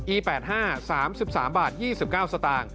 อี๘๕๓๓บาท๒๙สต